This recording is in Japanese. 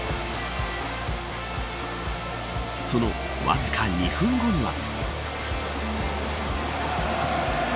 そのわずか２分後には。